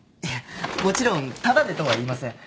もちろんタダでとはいいません。